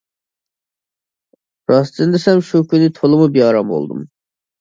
راستىنى دېسەم شۇ كۈنى تولىمۇ بىئارام بولدۇم.